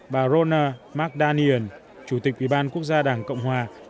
bà ronna mcdaniel chủ tịch ủy ban quốc gia đảng cộng hòa